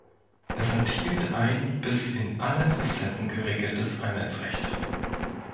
Es enthielt ein bis in alle Facetten geregeltes Einheitsrecht.